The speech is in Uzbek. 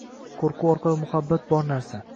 Qoʻrquv orqali muhabbat bor narsa.